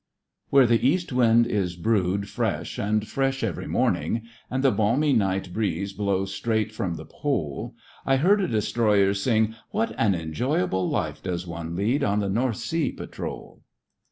Where the East wind is breived fresh and fresh every morning. And the balmy night breezes blow straight from the Pole, I heard a destroyer sing: " What an enjoya ble life does one lead on the North Sea Patrol